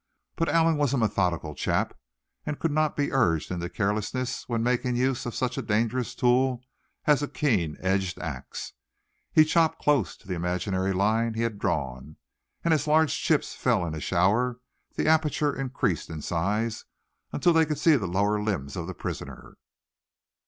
But Allan was a methodical chap, and could not be urged into carelessness when making use of such a dangerous tool as a keen edged ax. He chopped close to the imaginary line he had drawn; and as large chips fell in a shower the aperture increased in size until they could see the lower limbs of the prisoner.